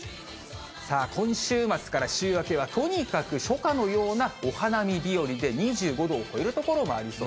今週末から週明けはとにかく初夏のようなお花見日和で、２５度を超える所もありそう。